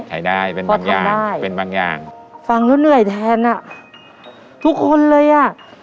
ใช้ได้เป็นบางอย่างใช่เป็นบางอย่างฟังแล้วเหนื่อยแทนอ่ะทุกคนเลยอ่ะ